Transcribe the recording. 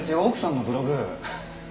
奥さんのブログ。